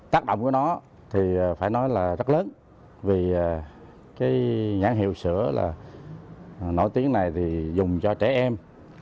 tác động của nó thì phải nói là rất lớn vì cái nhãn hiệu sữa là nổi tiếng này thì dùng cho trẻ em